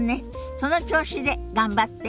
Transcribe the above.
その調子で頑張って！